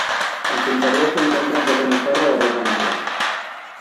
En su interior se encuentra un pequeño cerro de roca natural.